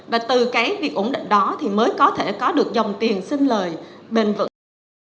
và từ cái việc ổn định đó thì mới có thể có được dòng tiền xin lời bền vững